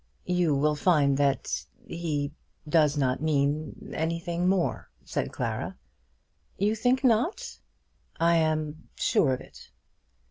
"You will find that he does not mean anything more," said Clara. "You think not?" "I am sure of it."